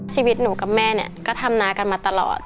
ชีวิตหนูกับแม่เนี่ยก็ทำนากันมาตลอด